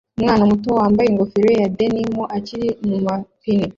Umwana muto wambaye ingofero ya denim akina mumapine